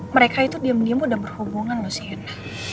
mereka itu diam diam udah berhubungan loh sih